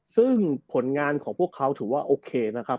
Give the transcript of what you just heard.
ซึ่งผลงานของพวกเขาถือว่าโอเคนะครับ